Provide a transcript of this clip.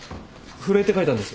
震えて書いたんです。